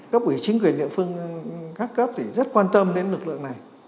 cấp ủy chính quyền địa phương các cấp thì rất quan tâm đến lực lượng này